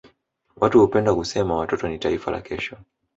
Watu hupenda kusema watoto ni taifa la kesho.